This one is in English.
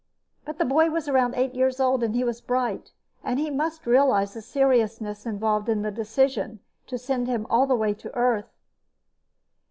But the boy was around eight years old and he was bright, and he must realize the seriousness involved in a decision to send him all the way to Earth.